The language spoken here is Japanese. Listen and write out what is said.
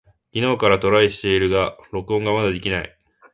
昨日からトライしているが録音がまだできない。